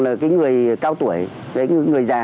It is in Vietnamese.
là người cao tuổi người già